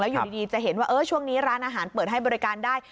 อยู่ดีจะเห็นว่าช่วงนี้ร้านอาหารเปิดให้บริการได้